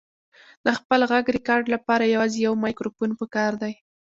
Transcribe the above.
د خپل غږ ریکارډ لپاره یوازې یو مایکروفون پکار دی.